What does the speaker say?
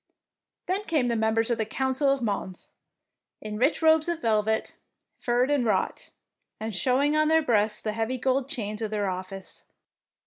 69 DEEDS OF DAEING Then came the members of the council of Mons, in rich robes of velvet, furred and wrought, and showing on their breasts the heavy gold chains of their office.